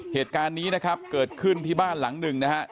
เหตุการณ์นี้นะครับเกิดขึ้นที่บ้านหลังหนึ่งนะฮะ